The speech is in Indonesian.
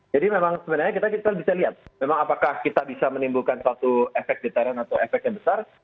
jadi memang sebenarnya kita bisa lihat memang apakah kita bisa menimbulkan suatu efek deterren atau efek yang besar